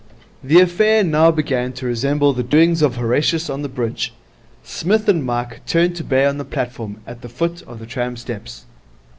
The affair now began to resemble the doings of Horatius on the bridge. Psmith and Mike turned to bay on the platform at the foot of the tram steps.